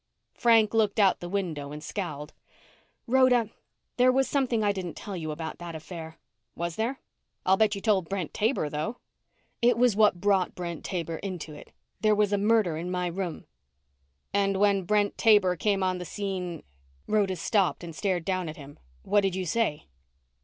Frank looked out the window and scowled. "Rhoda, there was something I didn't tell you about that affair." "Was there? I'll bet you told Brent Taber, though." "It was what brought Brent Taber into it. There was a murder in my room." "And when Brent Taber came on the scene " Rhoda stopped and stared down at him. "What did you say?"